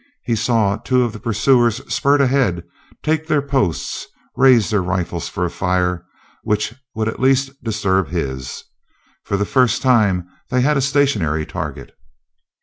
He saw two of the pursuers spurt ahead, take their posts, raise their rifles for a fire which would at least disturb his. For the first time they had a stationary target.